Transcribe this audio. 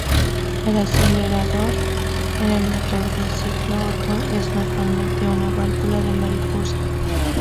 El acelerador en el motor de ciclo Otto es normalmente una válvula de mariposa.